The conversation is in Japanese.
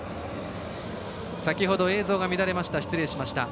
先ほど映像が乱れました。